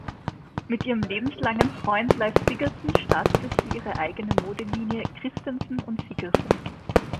Mit ihrem lebenslangen Freund Leif Sigersen startete sie ihre eigene Modelinie „Christensen und Sigersen“.